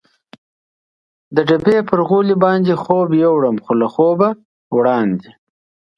د ډبې پر غولي باندې خوب یووړم، خو له خوبه وړاندې.